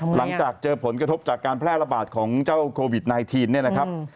หลังจากเจอผลกระทบจากการแพร่ระบาดของเจ้าโควิด๑๙เนี่ยนะครับ